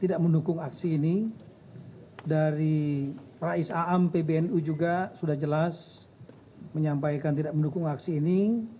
tidak mendukung aksi ini dari rais aam pbnu juga sudah jelas menyampaikan tidak mendukung aksi ini